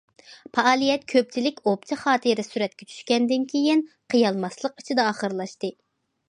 پائالىيەت كۆپچىلىك ئوپچە خاتىرە سۈرەتكە چۈشكەندىن كېيىن، قىيالماسلىق ئىچىدە ئاخىرلاشتى.